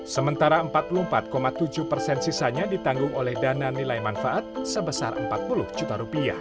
sementara empat puluh empat tujuh persen sisanya ditanggung oleh dana nilai manfaat sebesar rp empat puluh juta